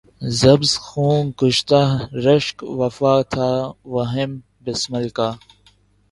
ز بس خوں گشتۂ رشک وفا تھا وہم بسمل کا